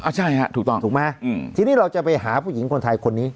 ใช่ฮะถูกต้องถูกไหมทีนี้เราจะไปหาผู้หญิงคนไทยคนนี้